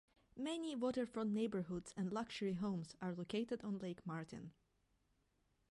Many waterfront neighborhoods and luxury homes are located on Lake Martin.